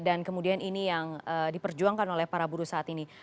dan kemudian ini yang diperjuangkan oleh para buruh saat ini